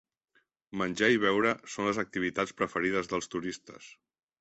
Menjar i beure són les activitats preferides dels turistes.